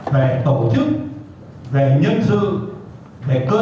về tổ chức về nhân sự về cơ sở vật chất